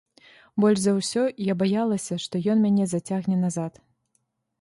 Больш за ўсё я баялася, што ён мяне зацягне назад.